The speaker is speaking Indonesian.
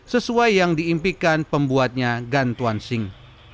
sesuai yang diimpikan pembuatnya gan tuan shing